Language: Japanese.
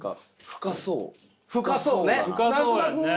深そうね！